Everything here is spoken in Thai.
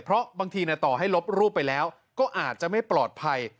เพราะบางทีต่อให้ลบรูปไปแล้วก็อาจจะไม่ปลอดภัย